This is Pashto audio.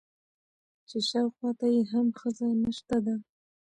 چې شاوخوا ته يې هم ښځه نشته ده.